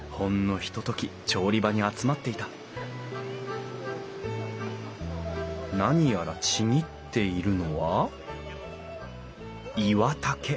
ひととき調理場に集まっていた何やらちぎっているのはイワタケ。